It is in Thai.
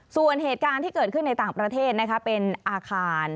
ส่วนเหตุการณ์ที่เกิดขึ้นในต่างประเทศเป็นอาคาร